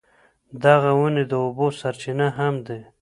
دغه ونې د اوبو سرچینه هم دي.